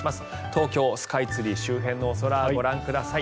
東京スカイツリー周辺のお空ご覧ください。